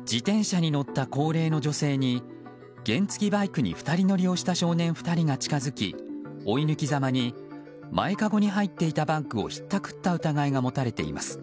自転車に乗った高齢の女性に原付きバイクに２人乗りをした少年２人が近づき、追い抜きざまに前かごに入っていたバッグをひったくった疑いが持たれています。